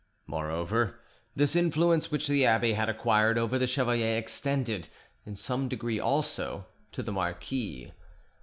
Moreover, this influence which the abbe had acquired over the chevalier extended, in some degree also, to the marquis.